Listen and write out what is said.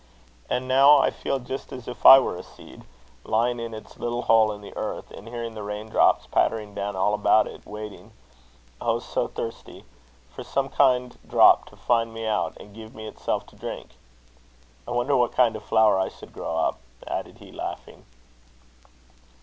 And now I feel just as if I were a seed, lying in its little hole in the earth, and hearing the rain drops pattering down all about it, waiting oh, so thirsty! for some kind drop to find me out, and give me itself to drink. I wonder what kind of flower I should grow up," added he, laughing.